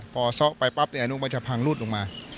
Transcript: พอเซาะไปปั๊บมันจะพังรูดลงมา